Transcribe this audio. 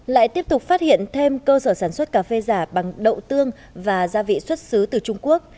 lại tiếp tục phát hiện thêm cơ sở sản xuất cà phê giả bằng đậu tương và gia vị xuất xứ từ trung quốc